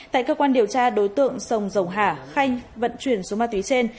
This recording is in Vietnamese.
tại cơ quan điều tra đối tượng sông rồng hà khanh vận chuyển xuống ma túy trên